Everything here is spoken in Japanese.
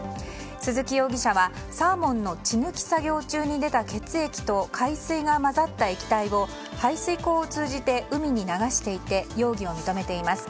鈴木容疑者はサーモンの血抜き作業中に出た血液と、海水が混ざった液体を排水溝を通じて海に流していて容疑を認めています。